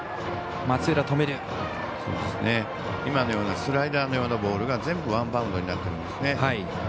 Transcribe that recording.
今のようなスライダーのようなボールが全部ワンバウンドになってますね。